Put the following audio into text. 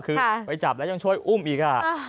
คือไปจับแล้วยังช่วยอุ้มอีก